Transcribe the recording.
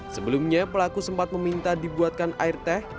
sebelumnya pelaku sempat meminta dibuatkan air teh